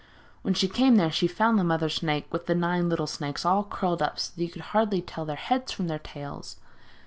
When she came there she found the mother snake with the nine little snakes all curled up so that you could hardly tell their heads from their tails.